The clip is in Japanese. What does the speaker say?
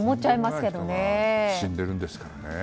人が死んでるんですからね。